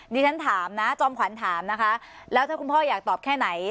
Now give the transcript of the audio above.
ดิฉันถามนะจอมขวัญถามนะคะแล้วถ้าคุณพ่ออยากตอบแค่ไหน